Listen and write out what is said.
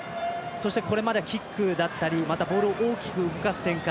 これまでキックだったりボールを大きく動かす展開